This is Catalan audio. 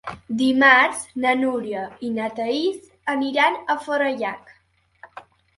Dimarts na Núria i na Thaís aniran a Forallac.